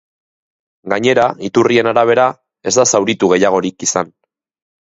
Gainera, iturrien arabera, ez da zauritu gehiagorik izan.